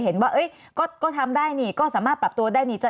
เห็นว่าก็ทำได้นี่ก็สามารถปรับตัวได้นี่